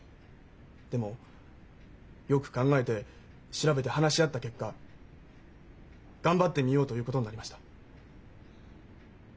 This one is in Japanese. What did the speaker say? でもよく考えて調べて話し合った結果頑張ってみようということになりました。